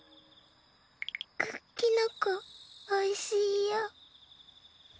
クッキノコおいしいよ。